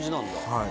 はい。